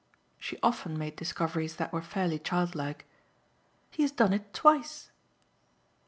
'" She often made discoveries that were fairly childlike. "He has done it twice."